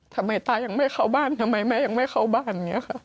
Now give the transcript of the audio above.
ทำไมตายยังไม่เข้าบ้านทำไมแม่ยังไม่เข้าบ้าน